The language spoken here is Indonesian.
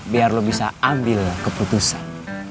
biar lo bisa ambil keputusan